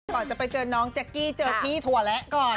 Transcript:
ก่อนจะไปเจอน้องแจ๊กกี้เจอพี่ถั่วแล้วก่อน